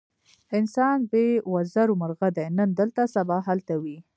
انسان بې وزرو مرغه دی، نن دلته سبا هلته وي.